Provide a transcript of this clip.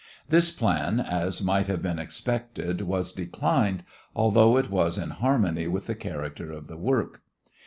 This plan, as might have been expected, was declined, although it was in harmony with the character of the work.